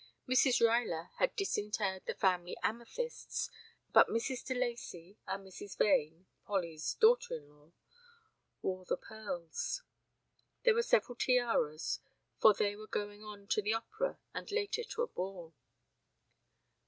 Mrs. Ruyler had disinterred the family amethysts, but Mrs. de Lacey and Mrs. Vane, "Polly's" daughter in law, wore their pearls. There were several tiaras, for they were going on to the opera and later to a ball.